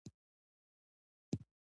زه تل هڅه کوم، چي ښه انسان واوسم.